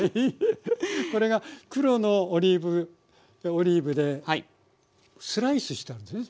これが黒のオリーブでスライスしてあるんですね？